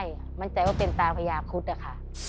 ไม่ใช่มั่นใจว่าเป็นตาพระยาพุทธค่ะ